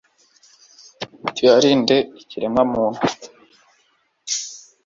Nituyalinde ikiremwa-muntu